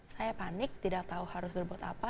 saya panik tidak tahu harus berbuat apa